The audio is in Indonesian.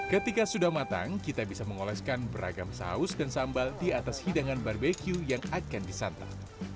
ketika sudah matang kita bisa mengoleskan beragam saus dan sambal di atas hidangan barbeque yang akan disantap